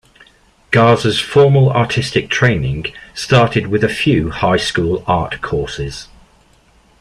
Garza's formal artistic training started with a few high school art courses.